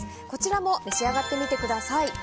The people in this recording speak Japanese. こちらも召し上がってみてください。